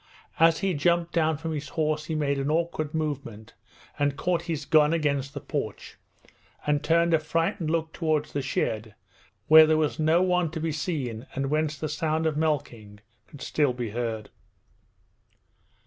As he jumped down from his horse he made an awkward movement and caught his gun against the porch, and turned a frightened look towards the shed, where there was no one to be seen and whence the sound of milking could still be heard.